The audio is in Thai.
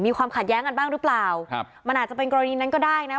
ความขัดแย้งกันบ้างหรือเปล่าครับมันอาจจะเป็นกรณีนั้นก็ได้นะ